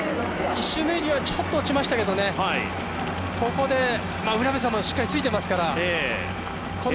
１周目よりちょっと落ちましたが、ここで卜部さんもしっかりついていますから。